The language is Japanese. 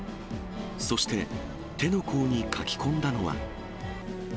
そして、手の甲に書き込んだのは。